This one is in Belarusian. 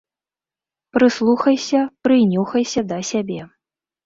Прыслухайся, прынюхайся да сябе.